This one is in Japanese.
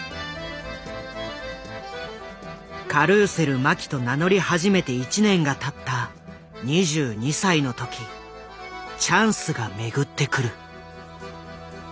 「カルーセル麻紀」と名乗り始めて１年がたった２２歳の時チャンスが巡ってくる。